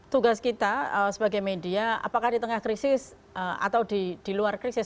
tugas kita sebagai media apakah di tengah krisis atau di luar krisis